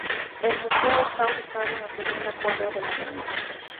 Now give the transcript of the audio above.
El museo está ubicado en la segunda cuadra de la Av.